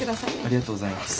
ありがとうございます。